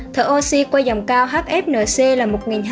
thở oxy qua dòng cao hfnc là một hai trăm bốn mươi bảy